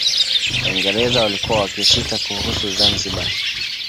Waingereza walikuwa wakisita kuhusu Zanzibar